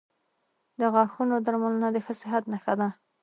• د غاښونو درملنه د ښه صحت نښه ده.